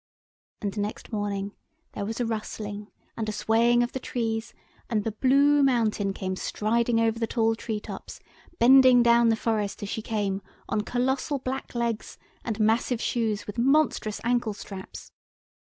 And next morning there was a rustling and a swaying of the trees, and the Blue Mountain came striding over the tall tree tops, bending down the forest as she came on colossal black legs and massive shoes with monstrous ankle straps.